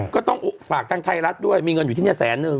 ก็ต้องฝากทางไทยรัฐด้วยมีเงินอยู่ที่นี่แสนนึง